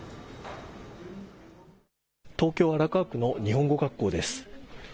東京・荒川区の日本語学校です。